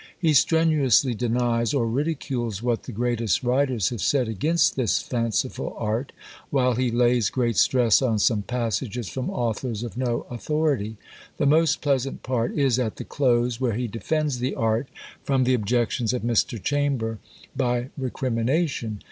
He strenuously denies, or ridicules, what the greatest writers have said against this fanciful art, while he lays great stress on some passages from authors of no authority. The most pleasant part is at the close, where he defends the art from the objections of Mr. Chamber by recrimination.